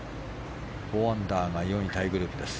４アンダーが４位タイグループです。